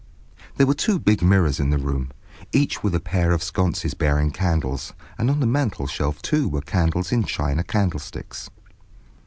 There were two big mirrors in the room, each with a pair of sconces bearing candles, and on the mantelshelf, too, were candles in china candle sticks.